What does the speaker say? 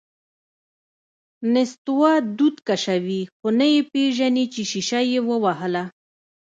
نستوه دود کشوي، خو نه یې پېژني چې شیشه یې ووهله…